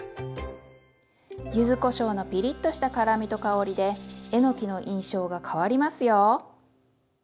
ゆずこしょうのピリッとした辛みと香りでえのきの印象が変わりますよ。